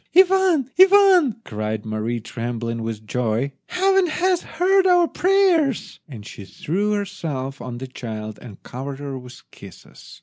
"Ivan! Ivan!" cried Mary, trembling with joy, "Heaven has heard our prayers," and she threw herself on the child and covered her with kisses.